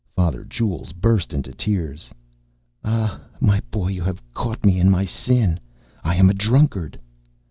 Father Jules burst into tears. "Ah, my boy, you have caught me in my sin. I am a drunkard."